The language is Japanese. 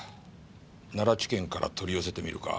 奈良地検から取り寄せてみるか。